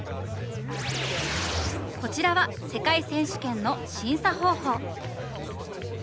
こちらは世界選手権の審査方法。